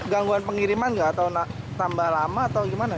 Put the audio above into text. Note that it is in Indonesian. gangguan pengiriman nggak atau tambah lama atau gimana